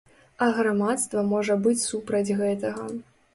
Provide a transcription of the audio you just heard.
А грамадства можа быць супраць гэтага.